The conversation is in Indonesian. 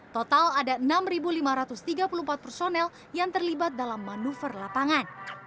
total ada enam lima ratus tiga puluh empat personel yang terlibat dalam manuver lapangan